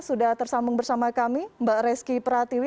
sudah tersambung bersama kami mbak reski pratiwi